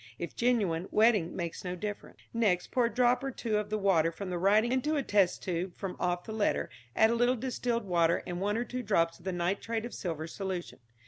If genuine, wetting makes no difference. Next, pour a drop or two of the water from the writing into a test tube from off the letter, add a little distilled water and one or two drops of the nitrate of silver solution.